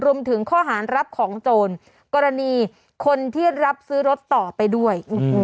รวมถึงข้อหารรับของโจรกรณีคนที่รับซื้อรถต่อไปด้วย